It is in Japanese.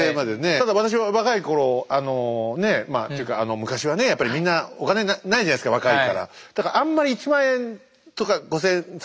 ただ私は若い頃あのねえまあというか昔はねやっぱりみんなお金ないじゃないですか若いから。